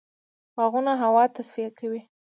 باغونه هوا تصفیه کوي.